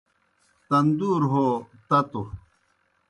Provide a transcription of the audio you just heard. تندور ہو تتوْ